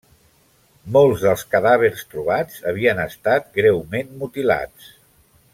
Molts dels cadàvers trobats havien estat greument mutilats.